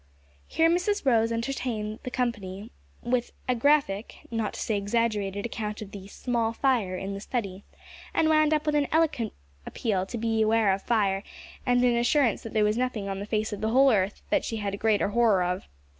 Here Mrs Rose entertained the company with a graphic not to say exaggerated account of the "small fire" in the study, and wound up with an eloquent appeal to all to "beware of fire," and an assurance that there was nothing on the face of the whole earth that she had a greater horror of.